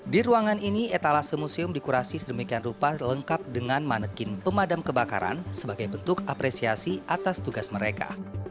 di ruangan ini etalase museum dikurasi sedemikian rupa lengkap dengan manekin pemadam kebakaran sebagai bentuk apresiasi atas tugas mereka